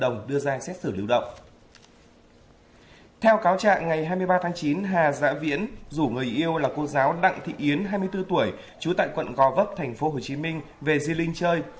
ngày hai mươi ba tháng chín hà dạ viễn rủ người yêu là cô giáo đặng thị yến hai mươi bốn tuổi trú tại quận gò vấp tp hcm về di linh chơi